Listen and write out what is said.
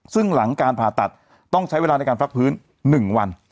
ซึ่งหลังการผ่าตัดต้องใช้เวลาในการฟักพื้น๑วัน